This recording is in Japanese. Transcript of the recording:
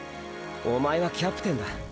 おまえはキャプテンだ。